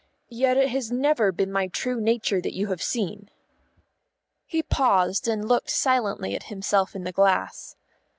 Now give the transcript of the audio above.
Yet it has never been my true nature that you have seen." He paused and looked silently at himself in the glass.